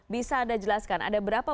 bisa anda jelaskan ada berapa